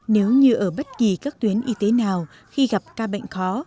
nếu như ở bất kỳ các tuyến y tế nào khi gặp ca bệnh khó